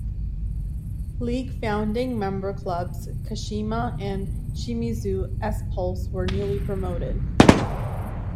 League founding member clubs, Kashima and Shimizu S-Pulse were newly promoted.